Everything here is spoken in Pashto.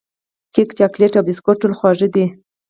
کیک، چاکلېټ او بسکوټ ټول خوږې دي.